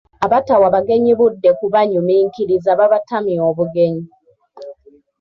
Abatawa bagenyi budde kubanyuminkiriza babatamya obugenyi.